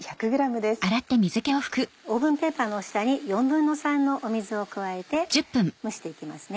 オーブンペーパーの下に３／４の水を加えて蒸して行きますね。